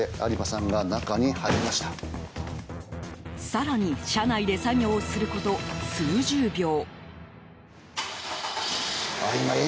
更に車内で作業をすること数十秒。